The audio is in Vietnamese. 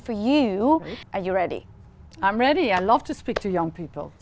tôi đã nói về hợp tác kinh tế